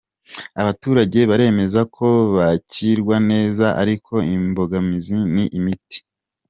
Abaturage baremeza ko bakirwa neza ariko imbogamizi ni imiti.